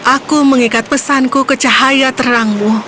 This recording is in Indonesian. aku mengikat pesanku ke cahaya terangmu